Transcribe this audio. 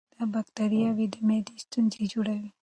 دا بکتریاوې د معدې ستونزې جوړوي.